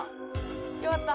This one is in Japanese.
よかった。